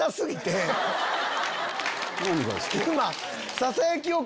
何がですか？